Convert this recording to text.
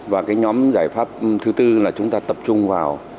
và cái nhóm giải pháp thứ tư là chúng ta tập trung vào